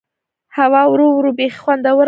هوا ورو ورو بيخي خوندوره شوه.